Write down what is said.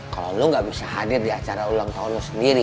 kalo lo gak bisa hadir di acara ulang tahun lo sendiri